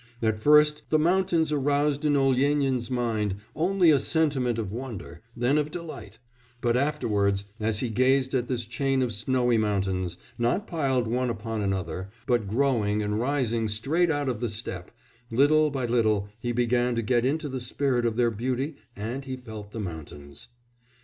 "At first the mountains aroused in Olyénin's mind only a sentiment of wonder, then of delight; but afterwards, as he gazed at this chain of snowy mountains, not piled one upon another, but growing and rising straight out of the steppe, little by little he began to get into the spirit of their beauty and he felt the mountains....